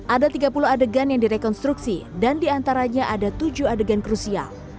ada tiga puluh adegan yang direkonstruksi dan diantaranya ada tujuh adegan krusial